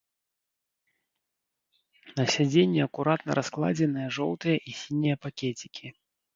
На сядзенні акуратна раскладзеныя жоўтыя і сінія пакецікі.